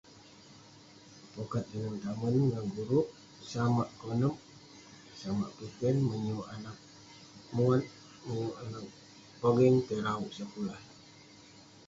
Pokat tinen tamen ngan guruk, samak konep, samak piken. Menyuk anag muat menyuk anag pogeng tai rauk sekulah.